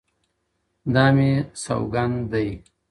دا مي سوگند دی.